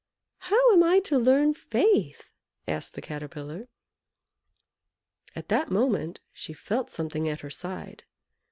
"How am I to learn Faith?" asked the Caterpillar. At that moment she felt something at her side.